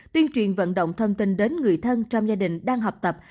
tuyên truyền vận động thông tin đến người thân trong gia đình đang học tập